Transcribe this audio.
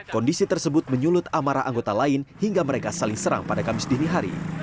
kondisi tersebut menyulut amarah anggota lain hingga mereka saling serang pada kamis dini hari